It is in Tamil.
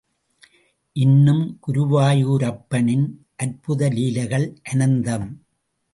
இன்னும் குருவாயூரப்பனின் அற்புத லீலைகள் அனந்தம்.